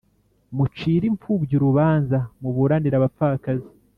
mucire impfubyi urubanza, muburanire abapfakazi